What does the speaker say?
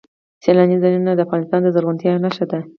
سیلاني ځایونه د افغانستان د زرغونتیا یوه نښه ده.